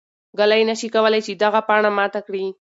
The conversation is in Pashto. ږلۍ نه شي کولای چې دغه پاڼه ماته کړي.